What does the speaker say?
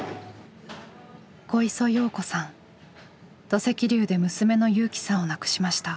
土石流で娘の友紀さんを亡くしました。